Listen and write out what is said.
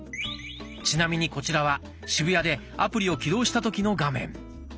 ちなみにこちらは渋谷でアプリを起動した時の画面。